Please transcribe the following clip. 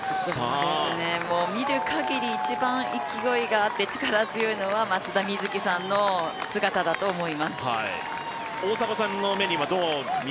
見るかぎり一番勢いがあって力強いのは松田瑞生さんの姿だと思います。